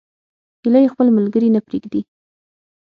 هیلۍ خپل ملګري نه پرېږدي